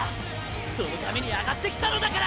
そのために上がってきたのだから。